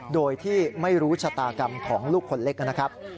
โดยที่ไม่รู้ชะตากรรมของลูกคนเล็กนะครับ